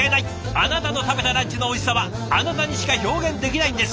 あなたの食べたランチのおいしさはあなたにしか表現できないんです。